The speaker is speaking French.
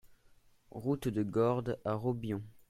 Route de Gordes à Robion